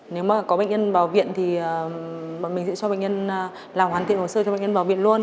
nếu mà có bệnh nhân vào viện thì bọn mình sẽ cho bệnh nhân làm hoàn thiện hồ sơ cho bệnh nhân vào viện luôn